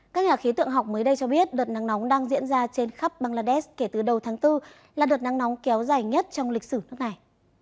các nhà khí tượng học mới đây cho biết đợt nắng nóng đang diễn ra trên khắp bangladesh kể từ đầu tháng bốn là đợt nắng nóng kéo dài nhất trong lịch sử nước này